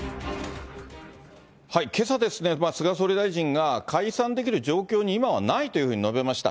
けさ、菅総理大臣が解散できる状況に今はないというふうに述べました。